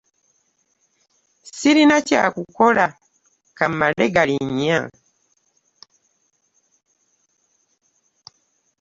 Ssirina kya kukola ka mmale galinnya.